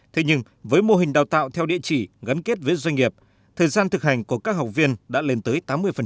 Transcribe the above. thế nhưng với mô hình đào tạo theo địa chỉ gắn kết với doanh nghiệp thời gian thực hành của các học viên đã lên tới tám mươi